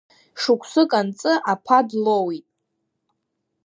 Шықәсык анҵы, аԥа длоуит.